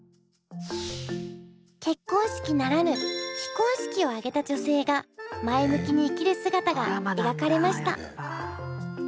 結婚式ならぬ非婚式を挙げた女性が前向きに生きる姿が描かれました。